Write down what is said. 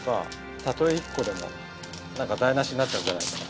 たとえ１個でもなんか台無しになっちゃうじゃないですか。